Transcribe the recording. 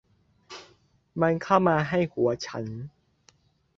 มันเข้ามาให้หัวฉัน